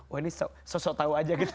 wah ini sosok tahu aja gitu